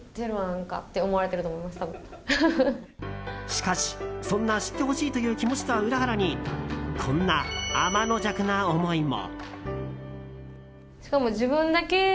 しかし、そんな知ってほしいという気持ちとは裏腹にこんな、あまのじゃくな思いも。